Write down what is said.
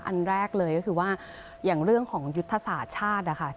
อันแรกเลยก็คือว่าอย่างเรื่องของยุทธศาสตร์ชาตินะคะ